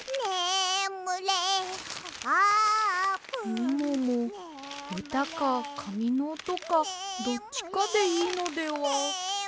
みももうたかかみのおとかどっちかでいいのでは。